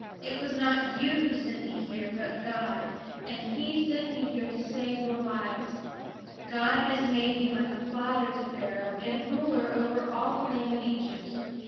It was not you who sent me here, but God; and he sent me to save your lives. God has made me like a father to Pharaoh and ruler over all the land of Egypt.